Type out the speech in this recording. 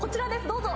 どうぞ。